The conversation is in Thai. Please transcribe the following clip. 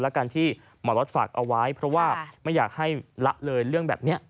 และการที่หมอล็อตฝากเอาไว้เพราะว่าไม่อยากให้ละเลยเรื่องแบบนี้